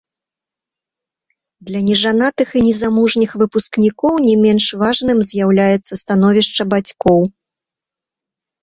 Для нежанатых і незамужніх выпускнікоў не менш важным з'яўляецца становішча бацькоў.